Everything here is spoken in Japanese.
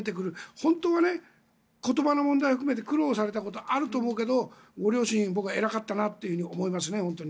本当は言葉の問題とかで苦労されたこと、あると思うけどご両親、偉かったなと僕は思いますね。